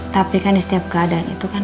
tapi kan di setiap keadaan itu kan